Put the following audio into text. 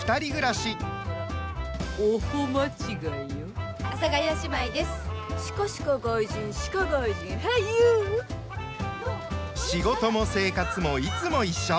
仕事も生活もいつも一緒。